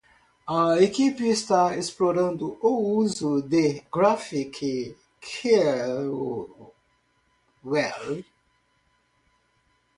A equipe está explorando o uso de GraphQL.